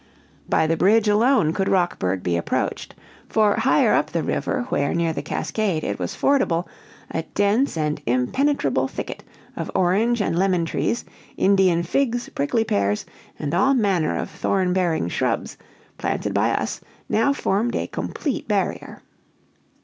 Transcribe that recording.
By the bridge alone could Rockburg be approached; for higher up the river, where, near the cascade, it was fordable a dense and impenetrable thicket of orange and lemon trees, Indian figs, prickly pears, and all manner of thorn bearing shrubs, planted by us, now formed a complete barrier.